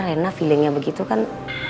riana feelingnya begitu kan